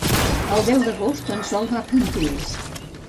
El deu d'agost en Sol va a Pontils.